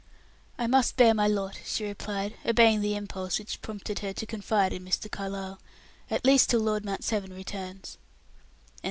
"I must bear my lot," she replied, obeying the impulse which prompted her to confide in Mr. Carlyle; "at least till Lord Mount Severn returns."